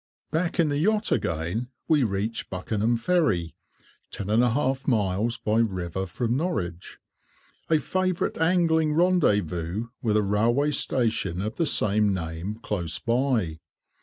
Back in the yacht again, we reached Buckenham Ferry (ten and a half miles), a favourite angling rendezvous, with a railway station of the same name close by.